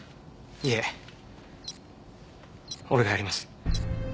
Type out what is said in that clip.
いえ俺がやります。